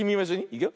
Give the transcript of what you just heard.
いくよ。